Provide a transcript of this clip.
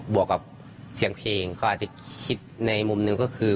วกกับเสียงเพลงเขาอาจจะคิดในมุมหนึ่งก็คือ